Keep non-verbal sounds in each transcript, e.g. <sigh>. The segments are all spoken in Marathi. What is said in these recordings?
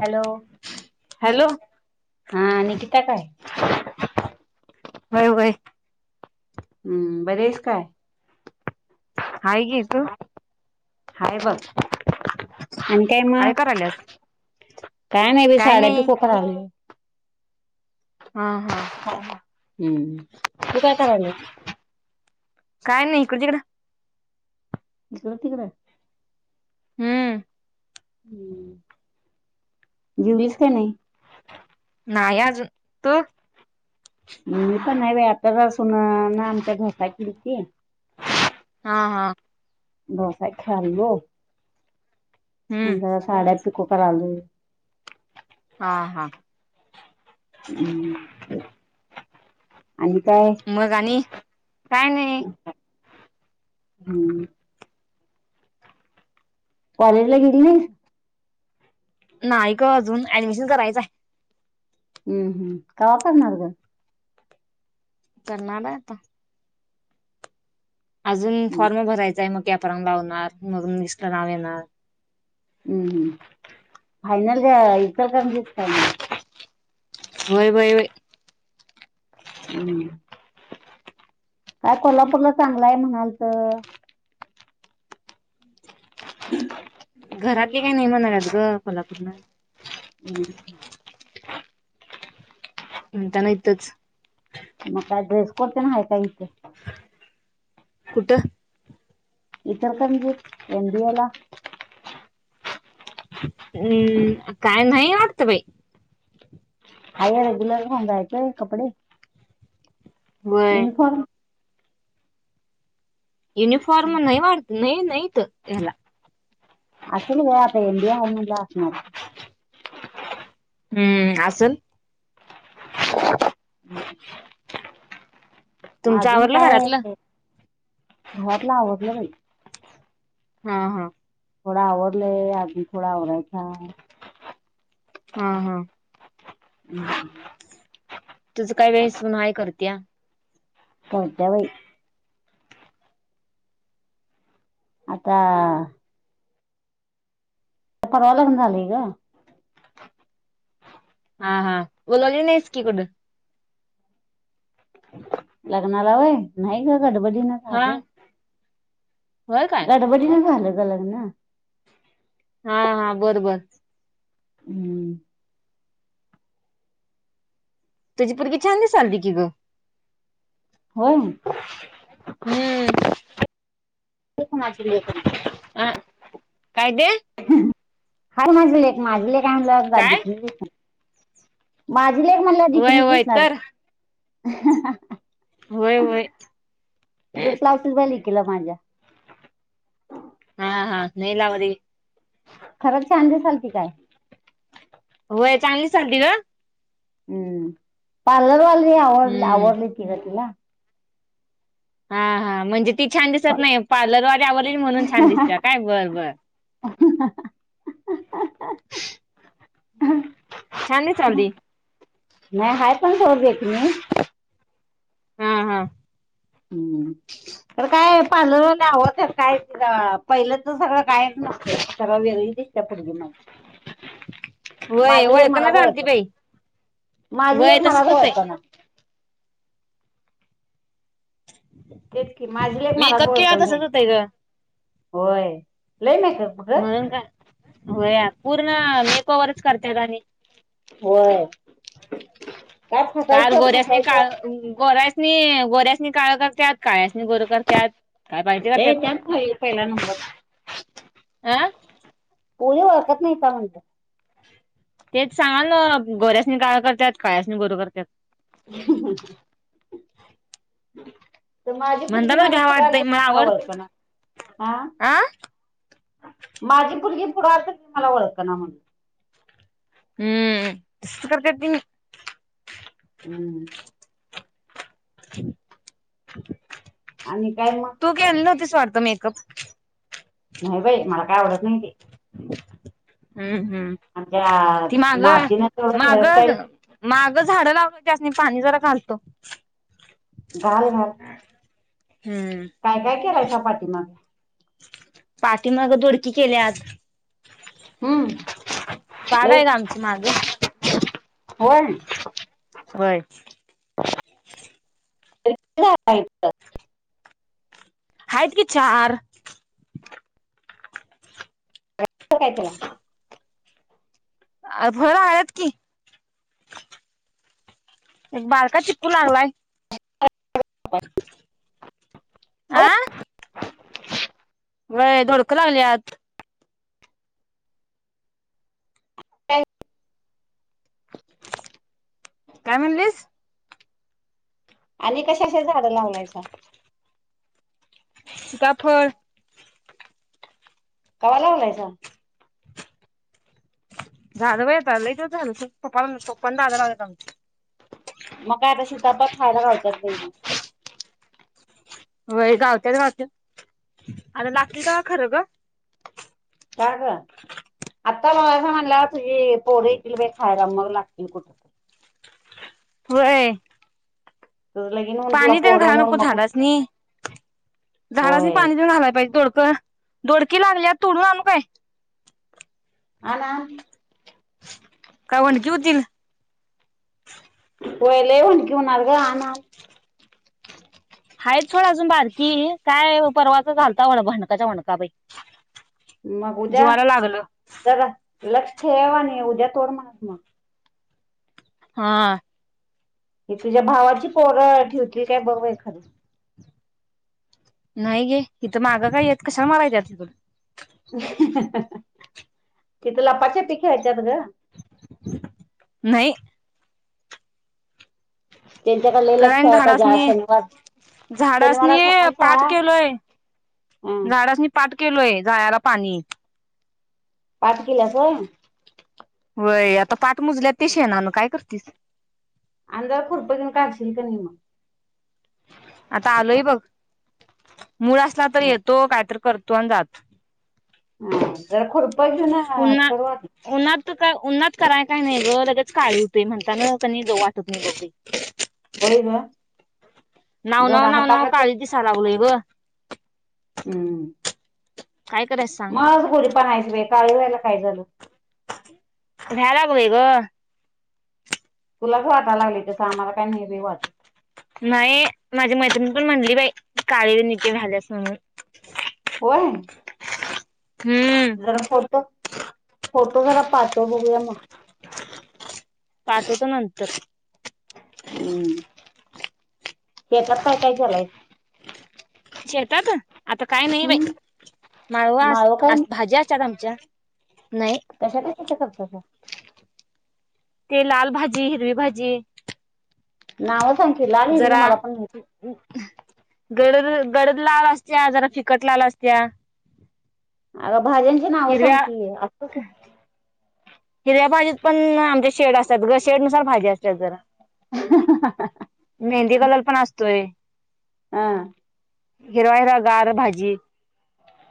हॅलो हॅलो हा निकिता काय व्हय व्हय हम्म बरी आहेस का हाय की तु हाय बघ आणि काय मग कराल्यास काय नाही बाई साड्या पिको करायलोय हा हा हम्म तू काय कराल्यास काय नाही इकडं तिकडं इकडं तिकडं हम्म ह. जीवलीस का नाही नाही आजून तू मी पण ह्य आता बसून आमच्यात डोसा किलतीत हा हा डोसा खाल्लो हम्म मग साड्या पि कोफाॅल आलय हा हा हू आणि काय मग आणि? काय नाही हू कॉलेज ला गेली नाहीस? नाही ग अजून ऍडमिशन करायचं आहे. हुं हू कवा करणार गं? करणाराय आता अजून हम्म फॉर्म भरायचां आहे मग कॅप राऊंड लावणार, मग लिस्टला नाव येणार. हुं हू फायनल इचलकरंजीत काय मग होय बई होय हुं काय कोल्हापूरला चांगलाय म्हणालतं घरातली काय नाही म्हणाल्यात ग कोल्हापूरला ह् म्हणताना इथंच मग ड्रेस कोड तेन हाय काय इथं? कुठं? इचरकरंजीत एमबीए ला हुं काय नाही वाटतं बाई. हाय हे रेग्युलरच घालून जायाचय हाय कपडे व्हय युनिफॉर्म. युनिफॉर्म नाही वाटत नाही नाही त ह्याला असेल ग आता इंडिया हाय म्हणल्यावर असणार हाय हम असलं. मग तुमचं अजून आवरलं काय घरातलं घरातलंआवरलं का नाही? हा हा थोडा आवरलंय आजून थोडा आवरायचा हाय हा हा <unintelligible> तुझं काय बाई सून हाय करत्या. करत्या बाई आता परवा लग्न झालंय ग हा हा बोलवली नाहीस की कुड लग्नाला व्हय नाही ग गडबडीन हा साधं होय काय गडबडीन झालं ग लग्न हा हा बर बर हुं तुझी पुरगी छान दिसालती की गं. होय हम - ती कुणाची लेक हाय? अ काय दे? हाय माझी लेक, माझी लेक हाय म्हणल्यावर बाद काय दिसल होय ग माझी लेक म्हणल्यावर वय देखणीच वय दिसणार तर की. होय होय तिला माझ्या हा हा नाही लावत घे खरंच छान दिसालती काय? होय चांगली दिसालतीग. हम पार्लरवाली आवर हम्म आवरलिती ग तिला हा हा म्हणजे <unintelligible> ती छान दिसत नाही पार्लरवाली आवरलेली म्हणून छान दिसते काय बरं -बरं ह <inaudible> छान दिसालती नाही हा पण शोर देत मी <inaudible> हा- हा हम्म तर काय पार्लर वाली आवरतात काय ती पहिलं तर सगळं काय <unintelligible> सरा वेगळीच्या पर्गे म होय माझी लेक ओळखना मलाच <inaudible> झालती ओळखत्या बाई माझी होय लेक मलाच तसच होतंय ओळखना <inaudible> तेच की माझी लेक मला मेकअप केला ओळखना तसच झाल्या, होतंय ग होय. लय मेकअप ग म्हणून का होय पूर्ण मेक ओवरच करत्यात आणि हो <inaudible> फार गोऱ्यासनी काळ गोऱ्या <inaudible> ते गोऱ्यासनी काळ करत्यात काळ्यासनी गोर करत्यात. काय पायती का हे त्यात पहिला नंबर अ कोणी ओळखत नाय का म्हणलं तेच सांगालोय ना गोऱ्यासणी काळ करतात काळ्यासणी गोर करत्यात. <inaudible> ती माझी पोरगी म्हणतानाच माझ्या घ्या पुढ आली वाटतंय तर मला आवडत ओळखना आ पुढ आल तर मला ओळख ना म्हणल हम्म तसंच करतात तेनी हूं आणि काय मग तू गेली नव्हतीस. स्वार्थ मेकप न्हाय बाई मला काय आवडत नाय ते. हम्म आमच्या हम्म ती माग नातीनं तेवढं माग हेअरस्टाईल माग झाड लाव जास्त मी पाणी जरा घालतो. घाल घाल. हम्म काय काय केलंयसा पाठीमाग? पाठीमाग‌ दोडकी केल्यात हूं जागा हाय का आमची माग होय. होय <unintelligible> हाईत की चार तर काय तुला अ फळ आळत की एक बारका चिकू लागलाय. आ होय व्हय दोडकं लागल्यात काय? काय म्हणलीस? आणि कशाशी झाडं लावलायसा सिताफळ कवा लावलायसा. झालं बाई आता लय दिवस झालं तुंफान तुंफान झाड लावलेत आम म काय आता सिताफळ खायाला घावत्यात बाई म होय गवत्यात गवत्यात आता लागतील तवा खरं ग- का ग आत्ताच असा म्हणाला तुई पोर येतील बाई खायला मग लागतील कुठतर होय. तुझं लगीन होऊन तुला पाणी तर पोरं घालाय होऊन नको मग कुठं झाडासनी. झाडासनी होय पाणी देऊन घालायला पाहिजे दोडकं दोडकी लागल्यात तोडून आणू काय? आण आण काय वडंकी होतील. होय. लय हुडंकी होणार ग आण आण हायत सोडं अजून बारकी काय परवाच झालता वंड व्ह्डकाच्या व्हडंणका बाई मग उदया जीवाला लागलं जरा लक्ष ठेव आणि उदया तोड म्हणावं की मग हा हे तुझ्या भावाची पोरं ठेवतील काय बघ बाई खरं नाही गे इथं मागं काय येत कशाला मरायला येत्यात इथून. तिथ लपा छपी खेळत्यात ग नाही त्यांच्याकडे लय तर लक्ष ठेवाय पाहिजे आज झाडासनी शनिवार शनिवार झाडासनीई सकाळी पाठ शाळा केलोय अ झाडासनी पाठ केलोय जायाला पाणी पाट किल्यास होय व्हय आता पाठ मुजल्यात कि शेणानं काय करतीस अन् जरा खुरप घेऊन काढशील की न्हाय मग आता आलोय बघ मुळ असला तर हा येतो कायतर करतो आणि जातो हा जरा खुरप घेऊन पुन्हा करुया कि उन्हात काय उन्नात कराय काय नाही ग लगेच काळी होते म्हणतान कनी जाऊ वाटत नाही बग बाई होय ग नाव नाव जरा नाव नाव हाताकड काळीच दिसा लागलोय ग हम्म काय करायच सांग माज गोरीपान हाइस बाई काळी व्हायला काय झाल भ्या लागलोय ग तुला काय वाटा लागलय ते सांग मला काय माहित नाही बाबा नाही माझ्या मैत्रिणी पण म्हणटली बाई काळी मिट्ट झाल्यास म्हणून होय हम्म जरा फोटो फोटो जरा पाठव बघूया मग पाटवतो नंतर हम्म हे करताय काय झालाय शेतात आता काय नाही बाई माळवा माळव काय अस भाज्या असतात आमच्या नाही कशा कशाच्या खतरतासा ते लाल भाजी हिरवी भाजी नाव सांग की लाल हिरवी जरा मला पण गडद गडद लाल असत्या जरा फिकट लाल असत्या अग भाज्यांची नाव सांग हिरव्या की असकस हिरव्या भाजीत पण आमच्या शेड असतात शेड नुसार भाजी असत्यात जरा मेहंदी कलर पण असतोय हा हिरवा हिरावा गार भाजी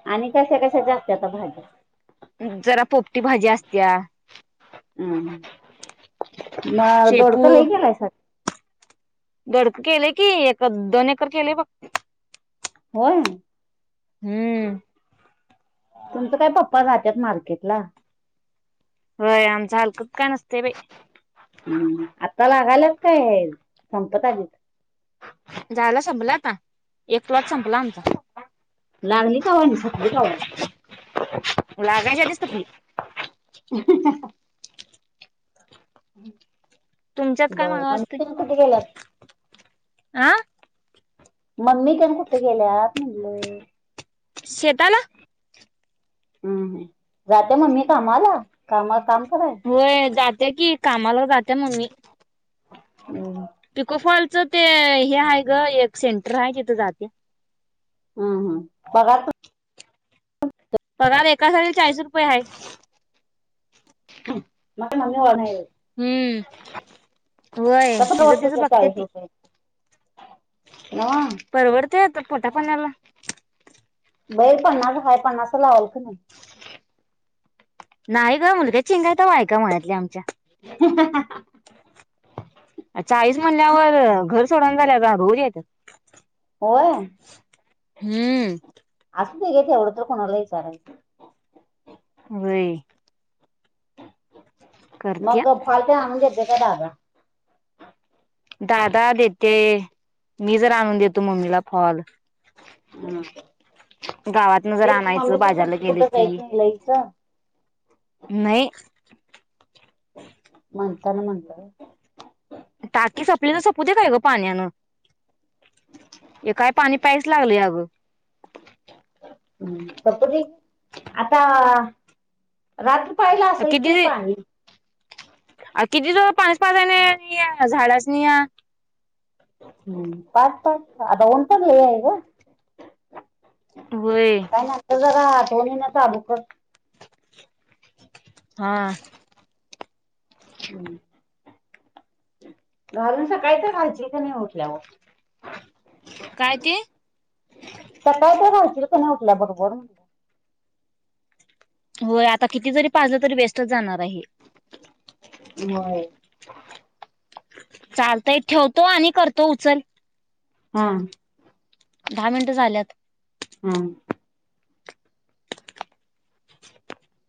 आणि कश्या कश्याच्या असत्याता भाजी जरा पोपटी भाजी असत्या हम् मग दोडक लही केलायसा गडक केलेय की ए दोन एकर केलेय बघ होय हम्म तुमच काय पप्पा जात त्याच मार्केट ला होय आमचा हलकं काय नसतय बाई ता लागालाच काय आहे संपत आली झालं संपलं आत्ता एक क्लॉट संपला आमचा लागली कवा आणि संपली कवा लागायच्या आधी संपली हम् तुमच्यात काय मागं असते बरं कुठे गेलं आं मम्मी तेन कुठे गेल्यात म्हटलेय शेताला हम्म जाते मम्मी कामाला कामाव काम कराय होय जात्या की कामाला जात्या ममी हम पिको फॉलच ते हे आहे ग एक सेंटर आहे तिथे जाते हम्म हम्म बघा सग एका सा चाळीस रुपये आहे मग नम्मी वार्ण आहे हम्म होय कसं तिझं तिचं परवडतं बघत्या चाळीस ती रुपये नव्ह परवडतेय तर पोटा पाण्याला बाहेर पन्नास हाय पन्नास लावल क नाही नाही ग मुलग्या चिंगायता वय का म्हणतल्या आमच्या चाळीस महिन्यावर घ सोडून झा हडूर येत होय हम्म असं ते घेेत एवढं तर कोणाला विचारायचं वव्हय मग फॉल तीन आणून घदेतोय काय दादा दादा देते मी जर आणून देतो मम्मीला फॉल हो गावातन जर आणायचं बाजारला गेलं कुठं की जाईत नाही लईच नाही म्हणताना म्हणलं टाकी सपली त सपूज खय गो पाण्यान एकाय पाणी पा्यायच लागलं अगं प आता रात पाहिला असेल की किती पाणी किती दिवस पानी पाचण्या या झाडच नि या हम्म पा पा आता उटल आहेयग होय तु जरा आठवणीने हा हम् घालून सकाळी तर घालशील कने का नाही उठल्यावर काय ते तर काय ते रायच का नाही उठल्या बरोबर म्हण होय आता किती जरी पाहिलं तरी वे स्टच जाणार आहे होय चालतय ठेवतो आणि करतो उचल हा दहा मिनिटं झाल्यात हम् <inaudible>